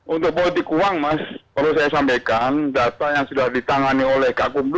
untuk politik uang mas perlu saya sampaikan data yang sudah ditangani oleh kakum itu